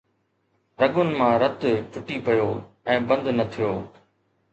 رڳن مان رت ٽٽي پيو ۽ بند نه ٿيو